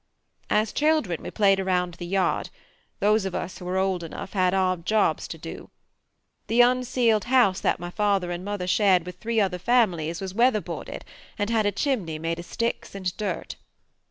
"As children we played around the yard; those of us who were old enough had odd jobs to do. The unceiled house that my father and mother shared with three other families was weatherboarded and had a chimney made of sticks and dirt.